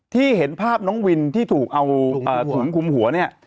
เห็นภาพน้องวินที่ถูกเอาถุงคุมหัวเนี่ย